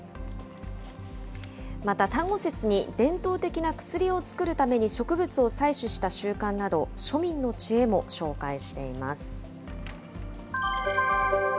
また、端午節に伝統的な薬を作るために植物を採取した習慣など、庶民の知恵も紹介しています。